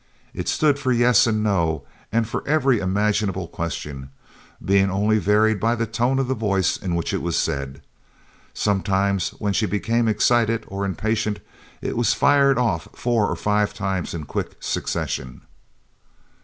It stood for yes and no and for every imaginable question, being only varied by the tone of voice in which it was said. Sometimes, when she became excited or impatient, it was fired off four or five times in quick succession.